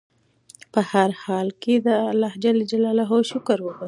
په هر حال کې د خدای شکر وباسئ.